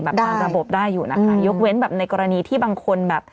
เราระบบได้อยู่นะคะยกเว้นในกรณีที่บางคน